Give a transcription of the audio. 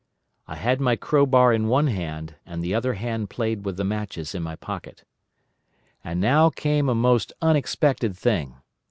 I had my crowbar in one hand, and the other hand played with the matches in my pocket. "And now came a most unexpected thing.